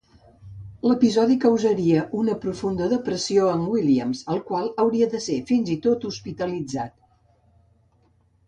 L'episodi causaria una profunda depressió en Williams, el qual hauria d'ésser, fins i tot, hospitalitzat.